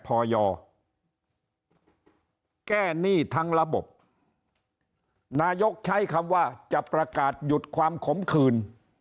พอยแก้หนี้ทั้งระบบนายกใช้คำว่าจะประกาศหยุดความขมขืน